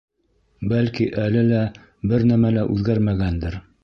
Бәлки әле лә бер нәмә лә үҙгәрмәгәндер?